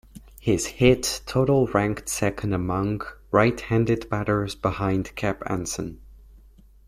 His hit total ranked second among right-handed batters behind Cap Anson.